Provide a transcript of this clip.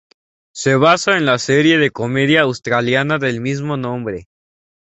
Se basa en la serie de comedia australiana del mismo nombre.